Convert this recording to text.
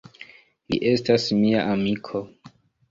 Li estas mia amiko.